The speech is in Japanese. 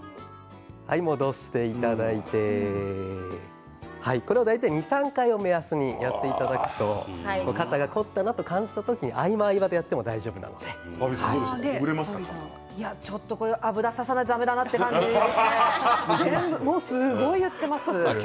戻していただいてこれを大体２、３回を目安にやっていただくと肩が凝ったなと感じた時に合間、合間でやっても大丈夫なのでちょっと、これは油を差さないとだめだなって感じですね。